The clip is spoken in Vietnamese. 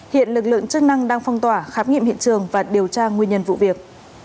hiện lực lượng chức năng đang phong tỏa khám nghiệm hiện trường và điều tra nguyên nhân vụ việc